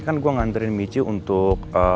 kan gue nganterin michi untuk